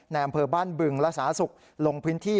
อำเภอบ้านบึงและสาธารณสุขลงพื้นที่